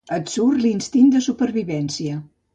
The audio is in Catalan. Et surt l’instint de supervivència.